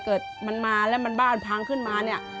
เกิดมันมาแล้วมันบ้านพังขึ้นมาเนี่ย